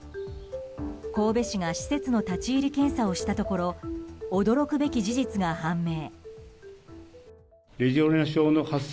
神戸市が施設の立ち入り検査をしたところ驚くべき事実が判明。